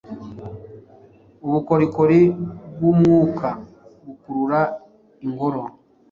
Ubukorikori bwumwuka bukurura-ingoro